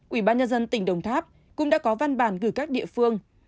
ubnd tỉnh đồng tháp cũng đã có văn bản gửi các địa phương